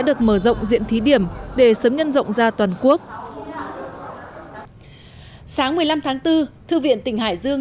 được mở rộng diện thí điểm để sớm nhân rộng ra toàn quốc sáng một mươi năm tháng bốn thư viện tỉnh hải dương